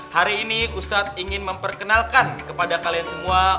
hari ini ustadz ingin memperkenalkan kepada kalian semua